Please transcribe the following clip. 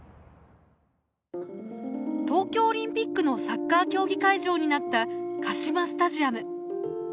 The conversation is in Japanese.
東京オリンピックのサッカー競技会場になったカシマスタジアム。